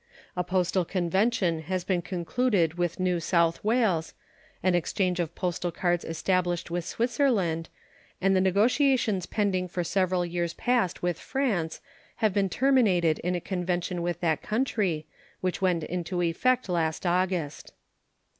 A postal convention has been concluded with New South Wales, an exchange of postal cards established with Switzerland, and the negotiations pending for several years past with France have been terminated in a convention with that country, which went into effect last August.